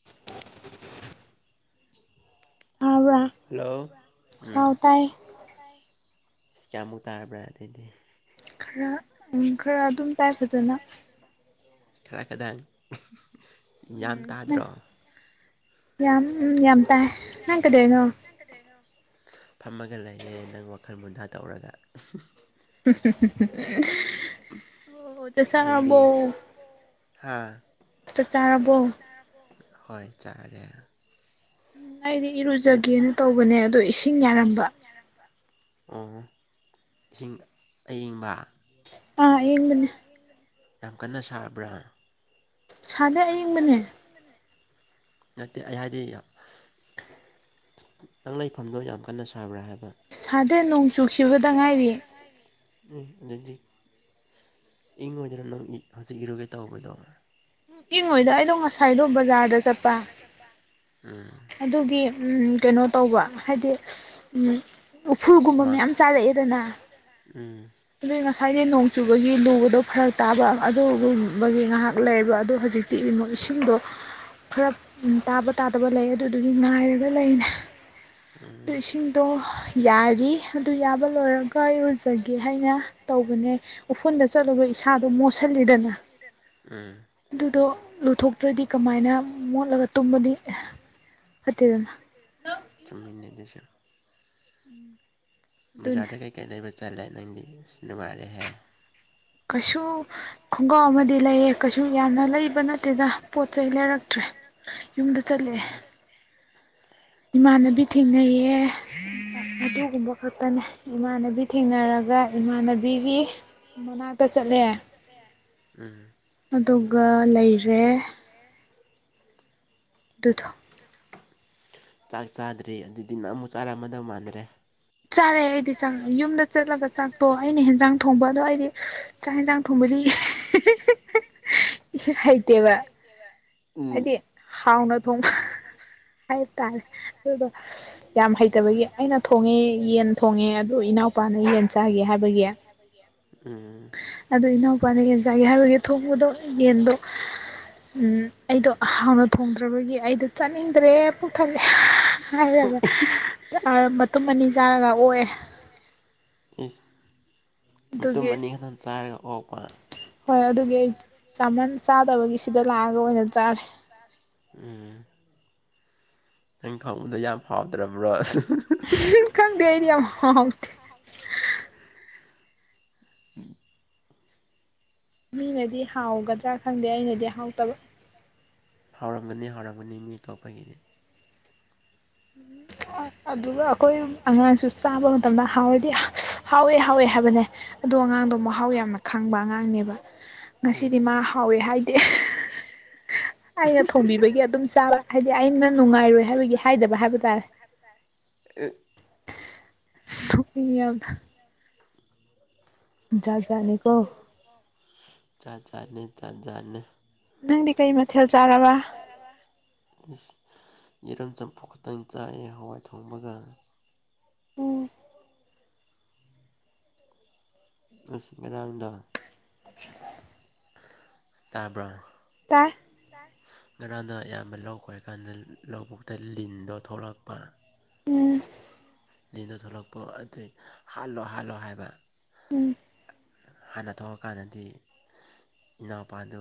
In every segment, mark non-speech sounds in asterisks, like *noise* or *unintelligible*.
*unintelligible* ꯍꯥꯕ꯭ꯔ ꯍꯜꯂꯣ ꯎꯝ ꯁꯤ ꯀꯌꯥꯃꯨꯛ ꯇꯥꯔꯕ꯭ꯔꯥ ꯑꯗꯨꯏꯗꯤ ꯈꯔ ꯈꯔ ꯑꯗꯨꯝ ꯇꯥꯏ ꯐꯖꯅ ꯈꯔ ꯈꯗꯪ ꯌꯥꯝ ꯇꯥꯗ꯭ꯔꯣ ꯌꯥꯝ ꯌꯥꯝ ꯇꯥꯏ ꯅꯪ ꯀꯗꯅꯣ ꯐꯝꯃꯒ ꯂꯩꯌꯦꯦ ꯅꯪ ꯋꯥꯈꯜ ꯃꯨꯟꯊꯥ ꯇꯧꯔꯒ *unintelligible* ꯆꯠ ꯆꯥꯔꯔꯕꯣ ꯆꯠ ꯆꯥꯔꯔꯕꯣ ꯍꯣꯏ ꯆꯥꯔꯦ ꯎꯝ ꯑꯩꯗꯤ ꯏꯔꯨꯖꯒꯦꯅ ꯇꯧꯕꯅꯦ ꯑꯗꯣ ꯏꯁꯤꯡ ꯌꯥꯔꯝꯕ ꯑꯣ ꯏꯁꯤꯡ ꯑꯌꯤꯡꯕ ꯑ ꯌꯦꯡ ꯃꯅꯤ ꯌꯥꯝ ꯀꯟꯅ ꯁꯥꯕ꯭ꯔꯥ ꯁꯅꯦ ꯑꯏꯤꯡꯕꯅꯦ ꯅꯠꯇꯦ ꯑꯩ ꯍꯥꯏꯗꯤ ꯅꯪ ꯂꯩꯐꯝꯗꯣ ꯌꯥꯝ ꯀꯟꯅ ꯁꯥꯕ꯭ꯔꯥ ꯍꯥꯏꯕ ꯁꯥꯗꯦ ꯅꯣꯡ ꯆꯨꯈꯤꯕꯗ ꯉꯥꯏꯔꯤ ꯎꯝ ꯑꯗꯨꯗꯤ ꯏꯪꯉꯣꯏꯗꯅ ꯅꯪ ꯍꯧꯖꯤꯛ ꯏꯔꯨꯒꯦ ꯇꯧꯕꯗꯣ ꯀꯤꯡꯉꯣꯏꯗꯣ ꯑꯩꯗꯣ ꯉꯁꯥꯏꯗꯣ ꯕꯖꯥꯔꯗ ꯆꯠꯄ ꯆꯠꯄ ꯎꯝ ꯑꯗꯨꯒꯤ ꯀꯩꯅꯣ ꯇꯧꯕ ꯍꯥꯏꯗꯤ ꯎꯐꯨꯜꯒꯨꯝꯕ ꯃꯌꯥꯝ ꯆꯥꯜꯂꯛꯑꯦꯗꯅ ꯎꯝ ꯑꯗꯨ ꯉꯁꯥꯏꯗꯤ ꯅꯣꯡ ꯆꯨꯕꯒꯤ ꯂꯨꯕꯗꯣ ꯐꯔꯛ ꯇꯥꯕ ꯑꯗꯨꯒꯨꯝꯕꯒꯤ ꯉꯥꯏꯍꯥꯛ ꯂꯩꯌꯦꯕ ꯑꯗꯨ ꯍꯧꯖꯤꯛꯇꯤ ꯇꯤꯛ ꯏꯃ ꯏꯁꯤꯡꯗꯣ ꯈꯔ ꯇꯥꯕ ꯇꯥꯗꯕ ꯂꯩ ꯑꯗꯨꯗꯨꯗꯤ ꯉꯥꯏꯔꯒ ꯂꯩꯅꯦ꯫ ꯑꯗꯨ ꯏꯁꯤꯡꯗꯣ ꯌꯥꯔꯤ ꯑꯗꯨ ꯌꯥꯕ ꯂꯣꯏꯔꯒ ꯌꯨꯖꯒꯦ ꯀꯦ ꯍꯥꯏꯅ ꯇꯧꯕꯅꯦ ꯎꯐꯨꯜꯗ ꯆꯠꯂꯨꯕ ꯏꯁꯥꯗꯣ ꯃꯣꯠꯁꯤꯜꯂꯤꯗꯅ ꯎꯝ ꯑꯗꯨꯗꯣ ꯂꯨꯊꯣꯛꯇ꯭ꯔꯗꯤ ꯀꯃꯥꯏꯅ ꯃꯣꯠꯂꯒ ꯇꯨꯝꯕꯗꯤ ꯐꯠꯇꯦꯗꯅ ꯕꯖꯥꯔꯗ ꯀꯩꯀꯩ ꯂꯩꯩꯕ ꯆꯜꯂꯦ ꯅꯪꯗꯤ ꯁꯤ ꯅꯨꯡꯉꯔꯦꯍꯦ ꯀꯩꯁꯨ ꯈꯣꯡꯒ꯭ꯔꯥꯎ ꯑꯃꯗꯤ ꯂꯩꯌꯦ ꯀꯩꯁꯨ ꯌꯥꯝꯅ ꯂꯩꯕ ꯅꯠꯇꯦꯗ ꯄꯣꯠ ꯆꯩ ꯂꯩꯔꯛꯇ꯭ꯔꯦ꯫ ꯌꯨꯝꯗ ꯆꯠꯂꯦ꯫ ꯏꯃꯥꯟꯅꯕꯤ ꯊꯦꯡꯅꯩꯌꯦ꯫ ꯑꯗꯨꯒꯨꯝꯕ ꯈꯛꯇꯅꯦ ꯏꯃꯥꯟꯅꯕꯤ ꯊꯦꯡꯅꯔꯒ ꯏꯃꯥꯟꯅꯕꯤꯒꯤ ꯃꯅꯥꯛꯇ ꯆꯠꯂꯦ꯫ ꯎꯝ ꯑꯗꯨꯒ ꯂꯩꯔꯦ꯫ ꯑꯗꯨꯗꯣ ꯆꯥꯛ ꯆꯥꯗ꯭ꯔꯔꯤ ꯑꯗꯨꯏꯗꯤ ꯃꯥ ꯑꯃꯨꯛ ꯆꯥꯔꯝꯃꯗꯧ ꯃꯥꯟꯗ꯭ꯔꯦ ꯆꯥꯔꯦ ꯑꯩꯗꯤ ꯆꯥꯛ ꯌꯨꯝꯗ ꯆꯠꯂꯒ ꯆꯥꯛꯇꯣ ꯑꯩꯅ ꯍꯦꯟꯖꯥꯡ ꯊꯣꯡꯕ ꯑꯗꯣ ꯑꯩꯗꯤ ꯆꯥꯛ ꯌꯦꯟꯁꯥꯡ ꯊꯣꯡꯕꯗꯤ *unintelligible* ꯏ ꯍꯩꯇꯦꯕ ꯍꯥꯏꯗꯤ ꯍꯥꯎꯅ ꯊꯣꯡꯕ ꯍꯥꯏꯇꯥꯔꯦ ꯑꯗꯨꯗ ꯌꯥꯝ ꯍꯩꯇꯕꯒꯤ ꯑꯩꯅ ꯊꯣꯡꯉꯤ꯫ ꯌꯦꯟ ꯊꯣꯡꯉꯦ ꯑꯗꯣ ꯏꯅꯥꯎꯄꯥꯅ ꯌꯦꯟ ꯆꯥꯒꯦ ꯍꯥꯏꯕꯒꯤ ꯑꯗꯨ ꯏꯅꯥꯎꯄꯥꯅ ꯌꯦꯟ ꯆꯥꯒꯦ ꯍꯥꯏꯔꯒꯤ ꯊꯣꯡꯄꯗꯣ ꯌꯦꯟꯗꯣ ꯑꯩꯗꯣ ꯍꯥꯎꯅ ꯊꯣꯡꯗ꯭ꯔꯕꯒꯤ ꯑꯩꯗꯣ ꯆꯠꯅꯤꯡꯗ꯭ꯔꯦ ꯄꯨꯣꯛꯊꯔꯛꯑꯦ꯫ ꯍꯥꯏꯔꯒ ꯃꯇꯨꯝ ꯑꯅꯤ ꯆꯥꯔꯒ ꯑꯣꯛꯑꯦ꯫ ꯃꯇꯨꯝ ꯑꯅꯤ ꯈꯛꯇꯪ ꯆꯥꯔꯒ ꯑꯣꯛꯄ ꯍꯣꯏ ꯑꯗꯨꯒꯤ ꯑꯩ ꯆꯥꯃꯟ ꯆꯥꯗꯕꯒꯤ ꯁꯤꯗ ꯂꯥꯛꯑꯒ ꯑꯣꯏꯅ ꯆꯥꯔꯦ꯫ ꯎꯝ ꯅꯪꯅꯥ ꯊꯣꯉꯕꯥꯗꯣ ꯌꯥꯝ ꯍꯥꯎꯗ꯭ꯔꯕ꯭ꯔꯣ? ꯈꯪꯗꯔꯦ ꯑꯩꯗꯤ ꯌꯝ ꯍꯥꯑꯣꯠꯔꯦ꯫ ꯃꯤꯅꯗꯤ ꯍꯥꯎꯒꯗ꯭ꯔꯥ ꯈꯪꯗꯦ ꯑꯩꯅꯗꯤ ꯍꯥꯎꯇꯕ ꯍꯥꯎꯔꯝꯒꯅꯤ ꯍꯥꯎꯔꯝꯒꯅꯤ ꯃꯤ ꯑꯇꯣꯞꯄꯒꯤꯗꯤ *inaudible* ꯑꯗꯨꯒ ꯑꯩꯈꯣꯏ ꯑꯉꯥꯡꯁꯨ ꯆꯥꯕ ꯃꯇꯝꯗ ꯍꯥꯎꯔꯗꯤ ꯍꯥꯎꯋꯦ ꯍꯥꯎꯋꯦ ꯍꯥꯏꯕꯅꯦ ꯑꯗꯣ ꯑꯉꯥꯡꯗꯣ ꯃꯍꯥꯎ ꯌꯥꯝꯅ ꯈꯪꯕ ꯑꯉꯥꯡꯅꯦꯕ ꯉꯁꯤꯗꯤ ꯃꯥ ꯍꯥꯎꯋꯦ ꯍꯥꯏꯗꯤ ꯑꯩꯅ ꯊꯣꯡꯕꯤꯕꯒꯤ ꯑꯗꯨꯝ ꯆꯥꯕ ꯍꯥꯏꯗꯤ ꯑꯩꯅ ꯅꯨꯡꯉꯥꯏꯔꯣꯏ ꯍꯥꯏꯕꯒꯤ ꯍꯥꯏꯗꯕ ꯍꯥꯏꯕ ꯇꯥꯔꯦ꯫ ꯊꯨꯀꯅꯤꯡꯌꯥꯝꯅꯥ ꯖꯥꯖꯥꯠꯅꯤꯀꯣ ꯆꯥ ꯆꯥꯔꯅꯤ ꯆꯥꯖꯥꯔꯅꯤ꯫ ꯅꯪꯗꯤ ꯀꯩ ꯃꯊꯦꯜ ꯆꯥꯔꯕ? ꯌꯦꯔꯝ ꯆꯝꯐꯨ ꯈꯛꯇꯪ ꯆꯥꯏꯑꯦ ꯍꯋꯥꯏ ꯊꯣꯡꯕꯒ ꯉꯥꯔꯥꯪꯡꯗꯣ ꯇꯥꯕ꯭ꯔꯥ ꯇꯥꯏ ꯉꯔꯥꯗ ꯑꯌꯥꯝꯕ ꯂꯧ ꯈꯣꯏ ꯀꯥꯟꯗ ꯂꯧꯕꯨꯛꯇ ꯂꯤꯟꯗꯣ ꯊꯣꯛꯂꯛꯄ ꯂꯤꯅ ꯊꯣꯛꯂꯛꯄ ꯑꯗꯨꯏ ꯍꯥꯜꯂꯣ ꯍꯥꯜꯂꯣ ꯍꯥꯏꯕ ꯍꯥꯟꯅ ꯊꯣꯛꯔꯀꯥꯟꯗꯗꯤ ꯏꯅꯥꯎꯄꯥꯗꯨ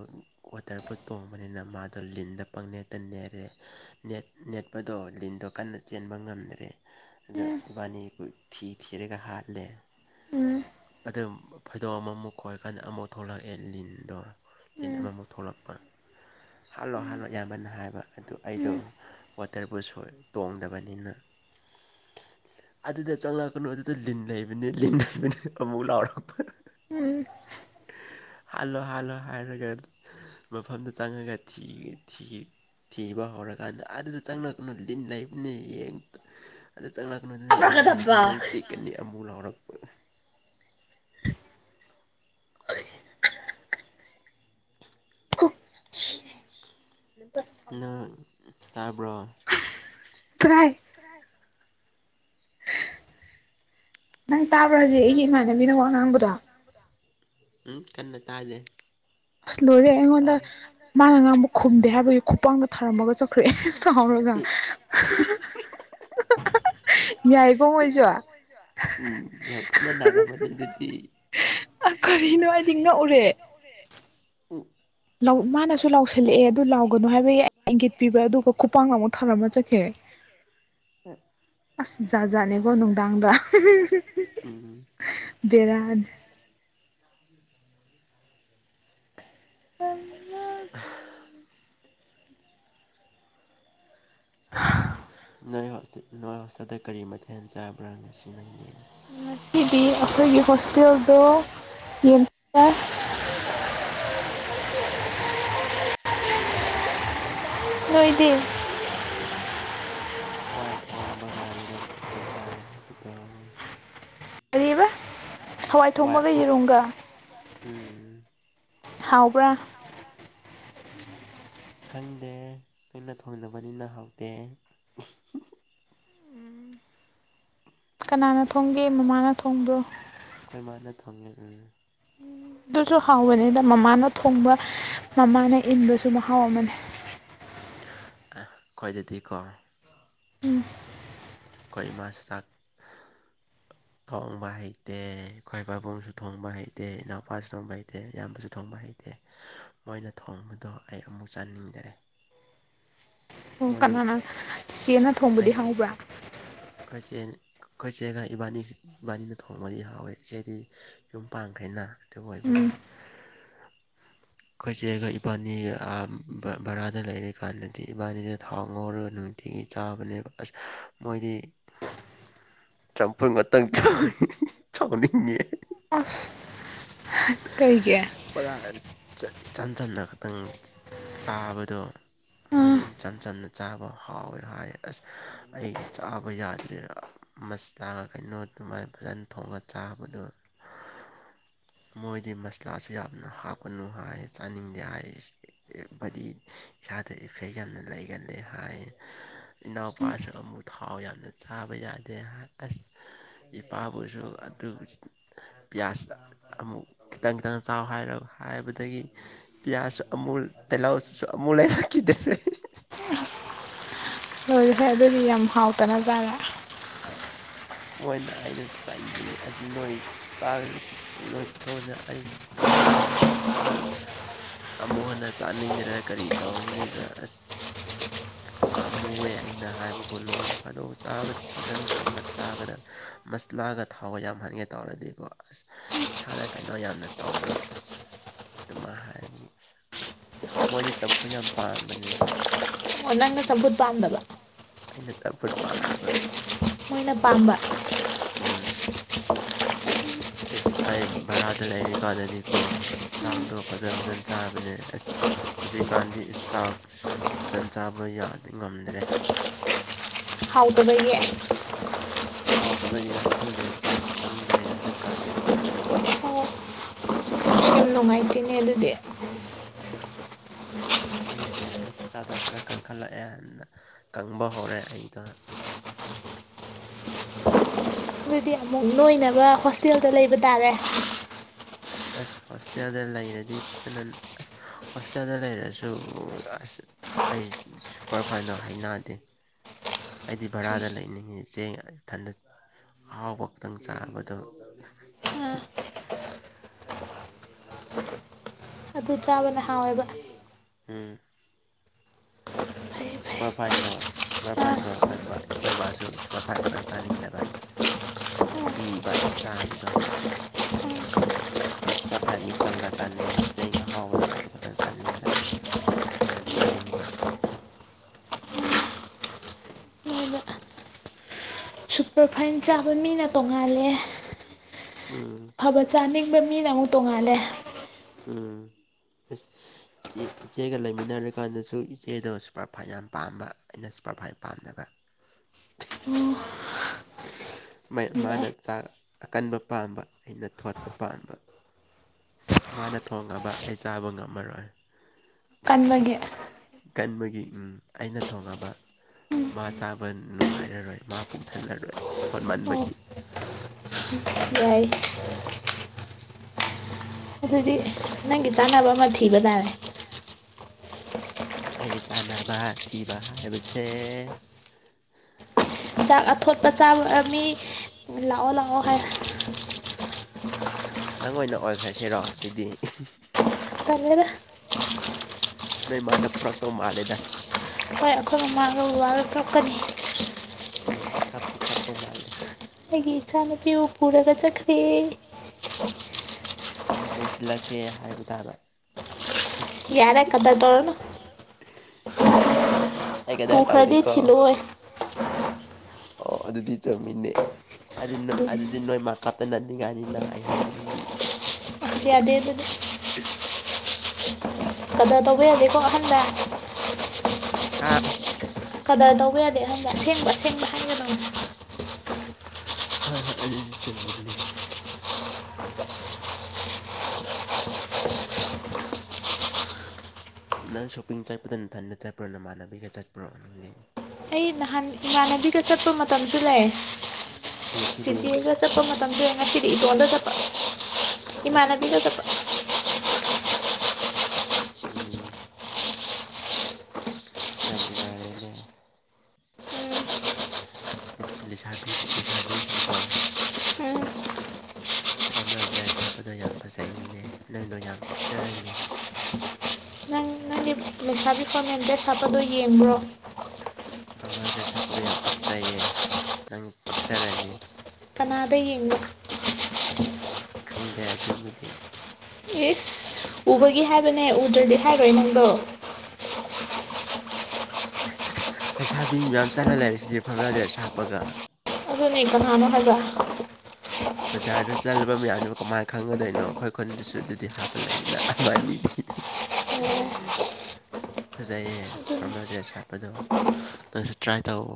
ꯋꯥꯇꯔ ꯄ꯭ꯔꯨꯐ ꯇꯣꯡꯕꯅꯤꯅ ꯃꯥꯗꯣ ꯂꯤꯟꯗ ꯄꯪ ꯅꯦꯠꯇ ꯅꯦꯔꯦ ꯅꯦꯠ ꯅꯦꯠꯄꯗꯣ ꯂꯤꯟꯗꯣ ꯀꯟꯅ ꯆꯦꯟꯕ ꯉꯝꯗ꯭ꯔꯦ ꯑ ꯏꯕꯥꯅꯤ ꯊꯤ ꯊꯤꯔꯒ ꯍꯥꯠꯂꯦ ꯑꯗꯨꯝ ꯐꯣꯏꯗꯣꯛꯑ ꯑꯃꯃꯨꯛ ꯈꯣꯏꯔ ꯀꯥꯟꯗ ꯑꯃꯨꯛ ꯊꯣꯛꯂꯛꯑꯦ ꯂꯤꯟꯗꯣ ꯂꯤꯟ ꯑꯃꯃꯨꯛ ꯊꯣꯛꯂꯛꯄ ꯍꯥꯜꯂꯣ ꯍꯥꯜꯂꯣ ꯌꯥꯝꯌꯥꯝꯃꯅ ꯍꯥꯏꯕ ꯑꯗꯨ ꯑꯩꯗꯣ ꯋꯥꯇꯔꯕꯨ ꯁ ꯇꯣꯡꯗꯕꯅꯤꯅ ꯑꯗꯨꯗ ꯆꯪꯂꯛꯀꯅꯨ ꯑꯗꯨꯗ ꯂꯤꯟ ꯂꯩꯕꯅꯤ ꯂꯤꯟꯕꯅꯤ ꯑꯃꯨꯛ ꯂꯥꯎꯔꯄ ꯎꯝ ꯍꯥꯜꯂꯣ ꯍꯥꯜꯂꯣ ꯍꯥꯏꯔꯒ ꯃꯐꯝꯗꯨ ꯆꯪꯉꯒ ꯊꯤ ꯊꯤ ꯊꯤꯕ ꯍꯧꯔꯀꯥꯟꯗ ꯑꯗꯨꯗ ꯆꯪꯉꯅ ꯂꯤꯟ ꯂꯩꯕꯅ ꯌꯦꯡ ꯑꯗꯨꯗ ꯆꯪꯂꯛꯀꯅꯨ ꯑꯗꯨꯅ ꯂꯤꯟ ꯂꯩꯕꯅꯤ ꯅꯪ ꯆꯤꯛꯀꯅꯤ ꯑꯃꯨꯛ ꯂꯥꯎꯔꯛꯄ ꯅꯪ ꯇꯥꯕ꯭ꯔꯣ ꯇ꯭ꯔꯥꯏ ꯈꯔꯥꯏ ꯅꯪ ꯇꯥꯕ꯭ꯔꯥꯖꯤꯦ ꯑꯩꯒꯤ ꯏꯃꯥꯟꯅꯕꯤꯅ ꯋꯥ ꯉꯥꯡꯕꯗꯣ ꯎꯝ ꯀꯟꯅ ꯇꯥꯗꯦ ꯑꯁ ꯂꯣꯏꯔꯦ ꯑꯩꯉꯣꯟꯗ ꯃꯥꯅ ꯉꯥꯡꯕ ꯈꯨꯝꯗꯦ ꯍꯥꯏꯕꯒꯤ ꯈꯨꯄꯥꯡꯗ ꯊꯥꯔꯝꯃꯒ ꯆꯠꯈ꯭ꯔꯑꯦ ꯑꯁ ꯍꯧꯔꯒ ꯎꯝ ꯌꯥꯝ ꯀꯟꯅ ꯅꯥꯔꯔꯕꯅꯤ ꯑꯗꯨꯗꯤ ꯑ ꯀꯔꯤꯅꯣ ꯍꯥꯏꯗꯤ ꯉꯛꯎꯔꯦ ꯎ ꯃꯥꯅꯁꯨ ꯂꯥꯎꯁꯜꯂꯛꯑꯦ ꯑꯗꯨ ꯂꯥꯎꯒꯅꯨ ꯍꯥꯏꯕꯒꯤ ꯒꯤꯠꯄꯤꯤꯕ ꯑꯗꯨꯒ ꯈꯨꯄꯥꯡ ꯂꯥꯎꯕ ꯊꯥꯂꯝꯃꯖꯦ ꯑꯁ ꯖꯥꯖꯥꯠꯅꯦꯀꯣ ꯅꯨꯡꯗꯥꯡꯗ ꯕꯦꯔꯥꯜ ꯅꯣꯏ ꯍꯣꯁꯇꯗ ꯀꯔꯤ ꯃꯊꯦꯜ ꯆꯥꯕ꯭ꯔꯥ ꯉꯁꯤ ꯅꯪꯒꯤ ꯉꯁꯤꯗꯤ ꯑꯩꯈꯣꯏꯒꯤ ꯍꯣꯁꯇꯦꯜꯗꯣ ꯌꯦꯡ ꯅꯣꯏꯗꯤ ꯍꯋꯥꯏ ꯊꯣꯡꯕꯒ ꯏꯔꯝ ꯐꯨꯠꯄ ꯆꯥꯏ ꯍꯥꯏꯕꯗꯣ ꯀꯔꯤ‌ ꯑꯕ ꯍꯋꯥꯏ ꯑꯐꯨꯠ ꯍꯋꯥꯏ‌ ꯊ‌ꯣꯡꯕꯒ ꯏꯔꯨꯝ ꯒ ꯎꯝ ꯍꯥꯎꯕ꯭ꯔꯥ ꯍꯥꯎꯕ꯭ꯔ ꯈꯪꯗꯦ ꯅꯪꯅ ꯊꯣꯡꯅꯕꯅꯤꯅ ꯍꯥꯎꯇꯦ ꯀꯅꯥꯅ ꯊꯣꯡꯒꯦ ꯃꯃꯥꯅ ꯊꯣꯡꯕ꯭ꯔꯣ ꯑꯩꯈꯣꯏ ꯃꯥꯅ ꯊꯣꯡꯉ ꯎ ꯑꯗꯨꯁꯨ ꯍꯥꯎꯕꯅꯤꯗ ꯃꯃꯥꯅ ꯊꯣꯡꯕ ꯃꯃꯥꯅ ꯏꯟꯕꯁꯨ ꯃꯍꯥꯎ ꯑꯃꯅꯤ ꯀꯣꯏꯗꯗꯤꯀꯣ ꯑꯩꯈꯣꯏ ꯏꯃꯥꯁꯤ ꯆꯥꯛ ꯊꯣꯡꯕ ꯍꯩꯇꯦ ꯑꯩꯈꯣꯏ ꯄꯥꯕꯨꯡꯁꯨ ꯊꯣꯡꯕ ꯍꯩꯇꯦ ꯏꯅꯥꯎꯄꯥꯁꯨ ꯊꯣꯡꯕ ꯍꯩꯇꯦ ꯑꯌꯥꯝꯕꯁꯨ ꯊꯣꯡꯕ ꯍꯩ ꯗꯦ ꯃꯣꯏꯅ ꯊꯣꯡꯕꯗꯣ ꯑꯩ ꯑꯃꯨꯛ ꯆꯥꯅꯤꯡꯗꯔꯦ ꯑꯣ ꯀꯅꯥꯅ ꯆꯦꯅ ꯊꯣꯡꯕꯗꯤ ꯍꯥꯎꯕ꯭ꯔꯥ ꯈ‌ꯣꯏ ꯆ‌ꯦ ꯑꯩꯈꯣꯏ ꯏꯆꯦꯒ ꯏꯕꯥꯅꯤ ꯏꯕꯥꯅꯤꯅ ꯊꯣꯡꯕꯗꯤ ꯍꯥꯎꯋꯦ ꯏꯆꯦꯗꯤ ꯌꯨꯝ ꯄꯥꯡꯈ꯭ꯔꯦꯅ ꯑꯗꯨ ꯑꯣꯏꯕꯅꯤ ꯑꯩꯈꯣꯏꯆꯦ ꯑꯩꯒ ꯏꯕꯥꯅꯤ ꯕꯔꯥꯗ ꯂꯩꯔꯤꯀꯥꯟꯗꯗꯤ ꯏꯕꯥꯅꯤꯗ ꯊꯥꯎ ꯉꯧꯔꯒ ꯅꯨꯃꯤꯠꯇꯤꯒꯤ ꯆꯥꯕꯅꯦꯕ ꯑꯁ ꯃꯣꯏꯗꯤ ꯆꯝꯐꯨꯟ ꯉꯥꯛꯇꯪ ꯁꯥꯎꯅꯤꯡꯉꯦ ꯑꯁ ꯀꯩꯒꯤ ꯄꯣꯔꯥ ꯏꯆꯥꯟꯖꯟꯅ ꯈꯛꯇꯪ ꯆꯥꯕꯗꯣ ꯃꯣꯏꯗꯤ ꯏꯆꯝ ꯆꯝꯅ ꯆꯥꯕ ꯍꯥꯎꯋꯦ ꯍꯥꯏ ꯑꯁ ꯑꯩꯗꯤ ꯆꯥꯕ ꯌꯥꯗꯦꯗ ꯃꯁꯂꯥꯒ ꯀꯩꯅꯣ ꯑꯗꯨꯃꯥꯏꯅ ꯐꯖꯅ ꯊꯣꯡꯑꯒ ꯆꯥꯕꯗꯨ ꯃꯣꯏꯗꯤ ꯃꯁꯂꯥꯁꯦ ꯌꯥꯝꯅ ꯍꯥꯞꯀꯅꯨ ꯍꯥꯏ ꯆꯥꯅꯤꯡꯗꯦ ꯍꯥꯏ ꯏꯕꯗꯤ ꯏꯁꯥꯗ ꯏꯐꯦꯛ ꯌꯥꯝꯅ ꯂꯩꯒꯅꯤ ꯍꯥꯏ ꯏꯅꯥꯎꯄꯥꯁꯨ ꯑꯃꯨꯛ ꯊꯥꯎ ꯌꯥꯝꯅ ꯆꯥꯕ ꯌꯥꯗꯦ ꯍꯥ ꯑꯁ ꯏꯄꯥꯕꯨꯁꯨ ꯑꯗꯨ ꯄꯤꯌꯥꯁꯇ ꯑꯃꯨꯛ ꯈꯤꯇꯪ ꯈꯤꯇꯪ ꯆꯥꯎ ꯍꯥꯏꯔ ꯍꯥꯏꯕꯗꯒꯤ ꯄꯤꯌꯥꯖꯁꯨ ꯑꯃꯨꯛ ꯇꯦꯍꯥꯎꯁꯨ ꯑꯃꯨꯛ ꯂꯩꯔꯛꯈꯤꯗ꯭ꯔꯦ ꯑꯁ ꯂꯨꯏꯍꯦ ꯑꯗꯨꯗꯤ ꯌꯥꯝ ꯍꯥꯎꯇꯅ ꯖꯥꯔ ꯏꯁ ꯃꯣꯏꯅ ꯑꯩꯅ ꯆꯩꯕꯅꯤ ꯑꯁ ꯅꯣꯏ ꯈꯨꯆꯥꯖꯤꯗꯤ ꯅꯣꯏ ꯈꯨꯊꯣꯡꯁꯦ ꯑꯩ ꯆꯥ ꯆꯥ ꯑꯃꯨꯛ ꯍꯟꯅ ꯆꯥꯅꯤꯡꯗ꯭ꯔꯒ ꯀꯔꯤ ꯇꯒꯤꯅ ꯑꯁ ꯄꯥꯝꯃꯨꯑꯦ ꯑꯩꯅ ꯍꯥꯏꯕꯒ ꯅꯨꯡ ꯐꯥꯗꯣꯛ ꯆꯥꯕꯗꯤ ꯐꯖꯅ ꯊꯣꯡꯒꯠ ꯆꯥꯒꯗ ꯃꯁꯂꯥꯒ ꯊꯥꯎꯒ ꯌꯥꯝ ꯍꯟꯒꯦ ꯇꯧꯔꯗꯤꯀꯣ ꯑꯁ ꯏꯁꯥꯗ ꯀꯩꯅꯣ ꯌꯥꯝꯅ ꯇꯧꯋꯦ ꯑꯁ ꯑꯗꯨꯃꯥꯏ ꯍꯥꯏꯔꯅꯤ ꯑꯁ ꯃꯣꯏꯁꯦ ꯆꯝꯐꯨ ꯌꯥꯝ ꯄꯥꯟꯕꯅꯦ ꯑꯣ ꯅꯪꯅ ꯆꯝꯐꯨꯠ ꯄꯥꯝꯗꯕ ꯑꯩꯅ ꯆꯝꯐꯨꯠ ꯄꯥꯝꯗꯕ ꯃꯣꯏꯅ ꯄꯥꯝꯕ ꯑꯁ ꯎꯝ ꯑꯦꯁ ꯑꯩ ꯚꯔꯥꯗ ꯂꯩꯔꯤꯀꯥꯟꯗꯗꯤꯀꯣ ꯆꯥꯛꯇꯣ ꯐꯖ ꯐꯖꯟ ꯆꯥꯕꯅꯦ ꯍꯧꯖꯤꯛꯀꯥꯟꯗꯤ ꯆꯥꯛꯁꯤ ꯐꯆꯟ ꯆꯥꯕ ꯌꯥꯗꯤ ꯉꯝꯗ꯭ꯔꯦ ꯍꯥꯎꯇꯕꯒꯤ ꯑꯩ ꯍꯥꯎꯇꯕꯒꯤꯔ ꯈꯪꯗꯦ ꯆꯥꯛ ꯆꯪꯗ꯭ꯔꯦ ꯍꯟꯗꯛ ꯀꯥꯟꯁꯦ ꯌꯥꯝ ꯅꯨꯡꯉꯥꯏꯇꯦꯅꯦ ꯑꯗꯨꯗꯤ ꯈꯪꯗꯦ ꯑꯁ ꯏꯁꯥꯗꯣ ꯈꯔ ꯀꯟꯈꯠꯂꯛꯑꯦꯅ ꯀꯪꯕ ꯍꯧꯔꯦ ꯑꯩꯗꯣ ꯑꯁ ꯑꯗꯨꯗꯤ ꯑꯃꯨꯛ ꯅꯣꯏꯅꯕ ꯍꯣꯁꯇꯦꯜꯗ ꯂꯩꯕ ꯇꯥꯔꯦ ꯑꯁ ꯍꯣꯁꯇꯦꯜꯗ ꯂꯩꯔꯗꯤ ꯐꯖꯅ ꯑꯁ ꯍꯣꯁꯇꯦꯜꯗ ꯂꯩꯔꯁꯨ ꯑꯁ ꯑꯩ ꯁꯨꯄꯔ ꯐꯥꯏꯟꯅ ꯍꯩꯅꯗꯦ ꯑꯩꯗꯤ ꯚꯔꯥꯗ ꯂꯩꯅꯤꯡꯉꯤ ꯆꯦꯊꯟꯗ ꯑꯍꯥꯎꯕ ꯈꯛꯇꯪ ꯆꯥꯍꯟꯕꯗꯣ ꯎꯝ ꯁꯨꯄꯔꯐꯥꯏꯟꯗꯣ ꯁꯨꯄꯔꯐꯥꯏꯟꯗꯣ ꯑꯩꯈꯣꯏꯕꯥ ꯑꯩꯈꯣꯏꯕꯥꯁꯨ ꯁꯨꯄꯔꯐꯥꯏꯟ ꯈꯛꯇꯪ ꯆꯥꯅꯤꯡꯗꯕ ꯀꯤꯕ ꯆꯥꯕꯗꯣ ꯁꯄꯔꯐꯥꯏꯟ ꯃꯤꯛꯁ ꯇꯧꯔꯒ ꯆꯥꯅꯤꯡꯕ ꯆꯦꯡ ꯑꯍꯥꯎꯕꯗꯣ ꯑꯗꯨ ꯈꯛꯇꯪ ꯆꯥꯅꯤꯡꯗꯕ ꯑꯩꯅ ꯆꯥꯅꯤꯡꯕ ꯁꯨꯄꯔꯐꯥꯏꯟ ꯆꯥꯕ ꯃꯤꯅ ꯇꯣꯡꯉꯥꯜꯂꯦ ꯑꯐꯕ ꯆꯥꯅꯤꯡꯕ ꯃꯤꯅ ꯑꯃꯨꯛ ꯇꯣꯡꯉꯥꯜꯂꯦ ꯎꯝ ꯏꯁ ꯏꯆꯦ ꯏꯆꯦꯒ ꯂꯩꯃꯤꯟꯅꯔꯀꯥꯟꯗꯁꯨ ꯏꯆꯦꯗꯣ ꯁꯨꯄꯔꯐꯥꯏꯟ ꯌꯥꯝ ꯄꯥꯝꯕ ꯑꯩꯅ ꯁꯨꯄꯔꯐꯥꯏꯟ ꯄꯥꯝꯗꯕ ꯎꯝ ꯃꯩ ꯃꯥꯅ ꯆꯥꯛ ꯑꯀꯟꯕ ꯄꯥꯝꯕ ꯑꯩꯅ ꯊꯣꯠꯄ ꯄꯥꯝꯕ ꯃꯥꯅ ꯊꯣꯡꯉꯕ ꯑꯩ ꯆꯥꯕ ꯉꯝꯃꯔꯣꯏ ꯀꯟꯕꯒꯤ ꯎꯝ ꯑꯩꯅ ꯊꯣꯡꯉꯕ ꯃꯥ ꯆꯥꯕ ꯅꯨꯡꯉꯥꯏꯔꯔꯣꯏ ꯃꯥ ꯄꯨꯡꯊꯜꯂꯔꯣꯏ ꯊꯣꯠꯃꯟꯕꯒꯤ *unintelligible* ꯑꯗꯨꯗꯤ ꯅꯪꯒꯤ ꯆꯥꯅꯕ ꯑꯃ ꯊꯤꯕ ꯇꯥꯔꯦ ꯑꯩꯒꯤ ꯆꯥꯅꯕ ꯊꯤꯕ ꯍꯥꯏꯕꯁꯦ ꯆꯥꯛ ꯑꯊꯣꯠꯄ ꯆꯥꯕ ꯃꯤ ꯂꯥꯛꯑꯣ ꯂꯥꯛꯑꯣ ꯍꯥꯏ ꯅꯪ ꯑꯣꯏꯅ ꯑꯣꯏꯈ꯭ꯔꯁꯤꯔꯣ ꯑꯗꯨꯗꯤ ꯇꯜꯂꯦꯗ ꯅꯣꯏ ꯃꯥꯅ ꯐꯨꯔꯛꯇꯧ ꯃꯥꯜꯂꯦꯗ ꯍꯣꯏ ꯑꯩꯈꯣꯏ ꯃꯃꯥꯒ ꯕꯕꯥꯒ ꯀꯞꯀꯅꯤ ꯎꯝ ꯀꯞꯇꯤ ꯀꯞꯄ ꯃꯥꯜꯂꯦ ꯑꯩꯒꯤ ꯏꯆꯥ ꯅꯨꯨꯄꯤꯕꯨ ꯄꯨꯔꯒ ꯆꯠꯈ꯭ꯔꯦ ꯑꯩꯅ ꯑꯃꯨꯛ ꯊꯤꯜꯂꯛꯀꯦ ꯍꯥꯏꯕ ꯇꯥꯕ ꯌꯥꯔꯦ ꯀꯗꯔ ꯇꯧꯔꯅ ꯏꯁ ꯑꯩ ꯀꯗꯔ ꯇꯧꯗꯦꯀꯣ ꯑꯣ ꯑꯗꯨꯗꯤ ꯆꯨꯝꯃꯤꯅꯦ ꯑꯗꯨ ꯑꯗꯨꯗꯤ ꯅꯣꯏ ꯀꯇꯟ ꯑꯅꯤꯡꯉꯥꯏꯅꯤꯅ ꯑꯩ ꯍꯥꯏꯕꯗꯨꯗꯤ ꯑꯁ ꯌꯥꯗꯦ ꯑꯗꯨꯗꯤ ꯀꯗꯔ ꯇꯧꯕ ꯌꯥꯗꯦꯀꯣ ꯑꯍꯟꯗ ꯍꯥꯥ ꯀꯗꯔ ꯇꯧꯕ ꯌꯥꯗꯦ ꯑꯍꯟꯗ ꯑꯁꯦꯡꯕ ꯑꯁꯦꯡꯕ ꯍꯥꯏ ꯍꯣꯏ ꯍꯣꯏ ꯑꯗꯨꯖꯨ ꯆꯨꯝꯃꯤꯅꯦ ꯅꯪ ꯁꯣꯞꯄꯤꯡ ꯆꯠꯄꯗ ꯅꯊꯟꯗ ꯆꯠꯄ꯭ꯔꯣ ꯅꯃꯥꯟꯅꯕꯤꯒ ꯆꯠꯄ꯭ꯔꯣ ꯅꯪꯗꯤ ꯅꯍꯥꯟ ꯏꯃꯥꯟꯅꯕꯤꯒ ꯆꯠꯄ ꯃꯇꯝꯁꯨ ꯂꯩ ꯆꯦꯆꯦꯒ ꯆꯠꯄ ꯃꯇꯝꯁꯤꯗ ꯉꯁꯤꯗꯤ ꯏꯇꯣꯟꯗ ꯆꯠꯄ ꯏꯃꯥꯟꯅꯕꯤꯒ ꯆꯠꯄ *unintelligible* ꯌꯥꯝ ꯅꯨꯉꯥꯏꯔꯦꯅꯦ ꯂꯩꯁꯥꯕꯤ ꯂꯩꯁꯥꯕꯤꯁꯤꯡꯒꯣ ꯎꯝ ꯐꯣꯔꯃꯦꯜ ꯗ꯭ꯔꯦꯁ ꯍꯥꯞꯄꯗꯣ ꯌꯥꯝ ꯐꯖꯏꯅꯦ ꯅꯪꯗꯣ ꯌꯥꯝ ꯄꯛꯆꯔꯅꯤ ꯃꯦꯁꯥꯕꯤ ꯐꯣꯔꯃꯦꯟ ꯗ꯭ꯔꯦꯁ ꯍꯥꯞꯄꯗꯣ ꯌꯦꯡꯕ꯭ꯔꯣ ꯐꯣꯔꯃꯦꯜ ꯗ꯭ꯔꯦꯁ ꯍꯥꯞꯄꯗ ꯌꯥꯝ ꯄꯛꯆꯩꯌꯦ ꯅꯪ ꯄꯛꯆꯔꯅꯤ ꯀꯅꯥꯗ ꯌꯦꯡꯕ ꯈꯪꯗꯦ ꯑꯗꯨꯕꯨꯗꯤ ꯏꯁ ꯎꯕꯒꯤ ꯍꯥꯏꯕꯅꯦ ꯎꯗ꯭ꯔꯗꯤ ꯍꯥꯏꯔꯣꯏ ꯅꯪꯗꯣ ꯂꯩꯁꯥꯕꯤ ꯃꯌꯥꯝ ꯆꯠꯂ ꯂꯩꯥꯔꯤꯁꯤꯗꯤ ꯐꯣꯔꯃꯦꯜ ꯇ꯭ꯔꯦꯁ ꯍꯥꯞꯄꯒ ꯑꯗꯨꯅꯦ ꯀꯅꯥꯅꯣ ꯍꯥꯏꯕ꯭ꯔ ꯕꯖꯥꯔꯗ ꯆꯠꯂꯨꯕ ꯃꯌꯥꯝꯗꯨ ꯀꯃꯥꯏꯅ ꯈꯪꯒꯗꯣꯏꯅꯣ ꯑꯩꯈꯣꯏ ꯈꯨꯟꯗꯁꯨ ꯑꯗꯨꯗꯤ ꯍꯥꯞꯄ ꯂꯩꯏꯅ ꯑꯃꯅꯤ ꯑꯅꯤꯗꯤ ꯎꯝ ꯐꯖꯩꯌꯦ ꯐꯣꯔꯃꯦꯜ ꯗ꯭ꯔꯦꯁ ꯍꯥꯠꯄꯗꯣ ꯅꯪꯁꯨ ꯇ꯭ꯔꯥꯏ ꯇꯧ